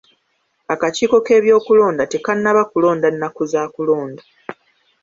Akakiiko k'ebyokulonda tekannaba kulonda nnaku za kulonda.